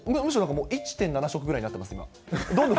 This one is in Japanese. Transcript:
むしろ、１．７食ぐらいになってます、今。